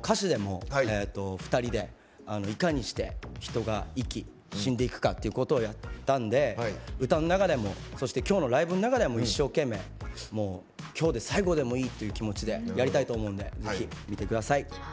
歌詞でも２人でいかにして人が生き死んでいくかってことをやったので歌の中でも、そして今日のライブの中でも一生懸命、今日で最後でもいいという気持ちでやりたいと思うんでぜひ見てください。